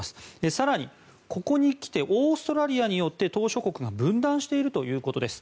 更に、ここに来てオーストラリアによって島しょ国が分断しているということです。